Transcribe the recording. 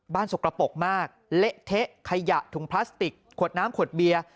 สกระปกมากเละเทะขยะถุงพลาสติกขวดน้ำขวดเบียร์